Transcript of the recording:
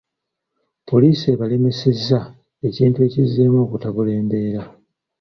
Poliisi ebalemesezza, ekintu ekizzeemu okutabula embeera.